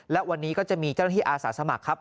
และวันนี้ก็จะมีเจ้าหน้าที่อาสาสมัครครับ